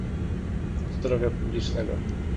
Zdrowia Publicznego